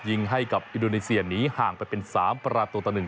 ยิงให้กับอิดโนนิเซียหนีห่างไปเป็น๓ประระตูตะหนึ่ง